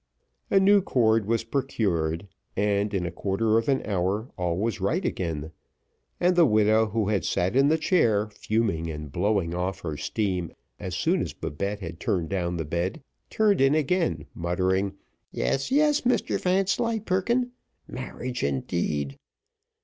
A new cord was procured, and, in a quarter of an hour, all was right again; and the widow, who had sat in the chair fuming and blowing off her steam, as soon as Babette had turned down the bed, turned in again, muttering, "Yes, yes, Mr Vanslyperken marriage indeed.